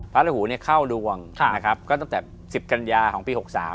พระอาหูเข้ารวงตั้งแต่๑๐กันยาของปี๖๓